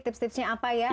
tips tipsnya apa ya